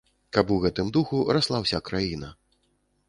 Каб у гэтым духу расла ўся краіна.